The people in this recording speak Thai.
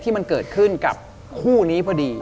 ที่มันเกิดขึ้นกับคู่นี้พอดี